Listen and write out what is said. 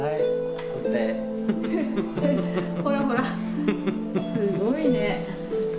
ほらほらすごいね。